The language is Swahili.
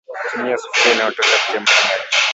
Tumia sufuria inayotosha kuchemsha maji